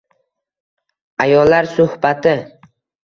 Ayollar suhbati